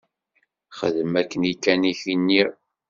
Xdem akken i kan i k-nniɣ!